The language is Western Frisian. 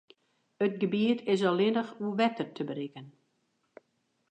It gebiet is allinnich oer wetter te berikken.